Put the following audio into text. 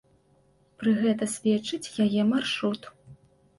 Пры гэта сведчыць яе маршрут.